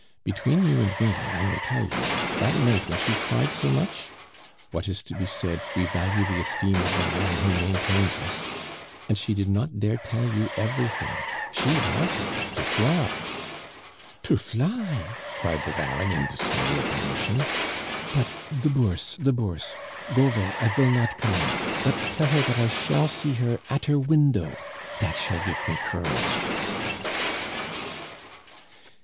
Between you and me, I may tell you, that night when she cried so much What is to be said, we value the esteem of the man who maintains us and she did not dare tell you everything. She wanted to fly." "To fly!" cried the Baron, in dismay at the notion. "But the Bourse, the Bourse! Go 'vay, I shall not come in. But tell her that I shall see her at her window dat shall gife me courage!"